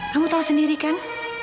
kamu tahu sendiri kan